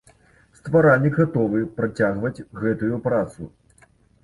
Стваральнік гатовы працягваць гэтую працу.